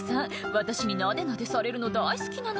私になでなでされるの大好きなの」